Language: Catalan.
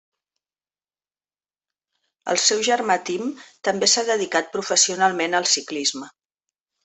El seu germà Tim també s'ha dedicat professionalment al ciclisme.